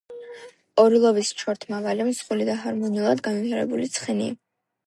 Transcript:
ორლოვის ჩორთმავალი მსხვილი და ჰარმონიულად განვითარებული ცხენია.